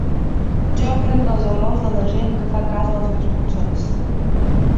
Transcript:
Jo aprenc dels errors de la gent que fa cas dels meus consells.